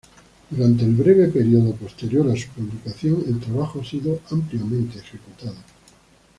Durante el breve período posterior a su publicación, el trabajo ha sido ampliamente ejecutado.